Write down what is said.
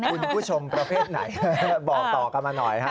คุณผู้ชมประเภทไหนบอกต่อกันมาหน่อยฮะ